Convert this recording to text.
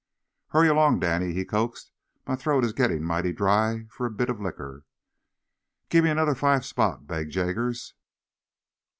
"Hurry along, Danny," he coaxed. "My throat is gittin' mighty dry for a bit o' liquor." "Give me another five spot," begged Jaggers.